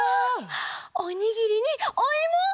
おにぎりにおいも！